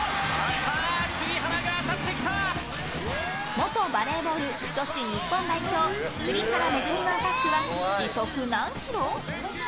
元バレーボール女子日本代表栗原恵のアタックは時速何キロ？